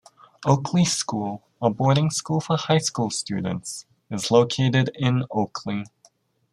Oakley School, a boarding school for high school students, is located in Oakley.